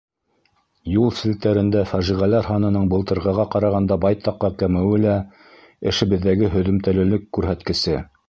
Юл селтәрендә фажиғәләр һанының былтырғыға ҡарағанда байтаҡҡа кәмеүе лә — эшебеҙҙәге һөҙөмтәлелек күрһәткесе.